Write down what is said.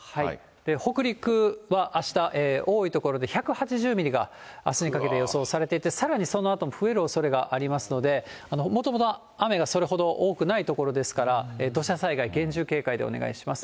北陸はあした、多い所で１８０ミリがあすにかけて予想されていて、さらにそのあとも増えるおそれがありますので、もともと雨がそれほど多くない所ですから、土砂災害、厳重警戒でお願いします。